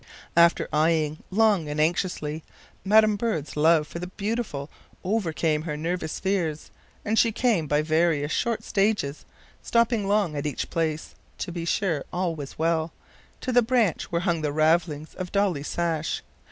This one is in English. After eyeing long and anxiously, madam bird's love for the beautiful overcame her nervous fears, and she came by various short stages, stopping long at each place, to be sure all was well, to the branch where hung the ravelings of dollie's sash.